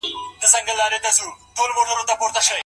موسيقي د روح غذا بلل کيږي.